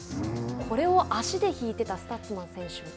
これを足で引いてたスタッツマン選手。